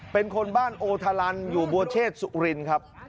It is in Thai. เป็นคนบ้านโอทาลันอยู่บัวเชษสุรินครับ